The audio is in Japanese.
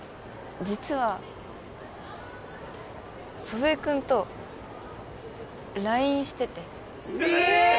実は祖父江君とＬＩＮＥしててええっ！？